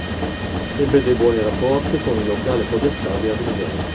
Ebbe dei buoni rapporti con il locale podestà di Agrigento.